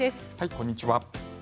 こんにちは。